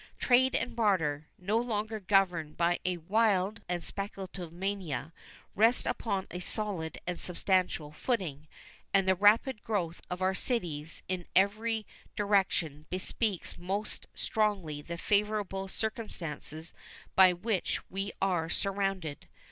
Trade and barter, no longer governed by a wild and speculative mania, rest upon a solid and substantial footing, and the rapid growth of our cities in every direction bespeaks most strongly the favorable circumstances by which we are surrounded.